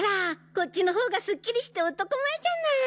こっちの方がスッキリして男前じゃない♥